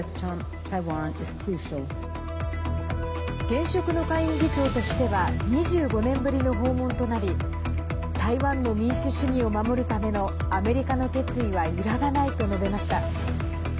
現職の下院議長としては２５年ぶりの訪問となり台湾の民主主義を守るためのアメリカの決意は揺らがないと述べました。